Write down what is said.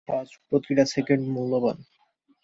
আজ প্রতিটা সেকেন্ড মূল্যবান।